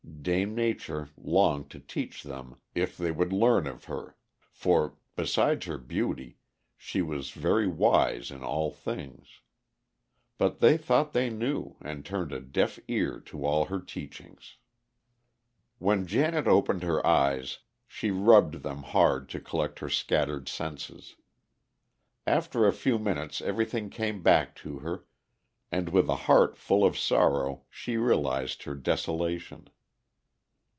Dame Nature longed to teach them if they would learn of her; for, besides her beauty, she was very wise in all things. But they thought they knew, and turned a deaf ear to all her teachings. II WHEN Janet opened her eyes, she rubbed them hard to collect her scattered senses. After a few minutes everything came back to her, and with a heart full of sorrow she realized her desolation.